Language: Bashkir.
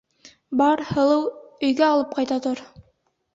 — Бар, һылыу, өйгә алып ҡайта тор.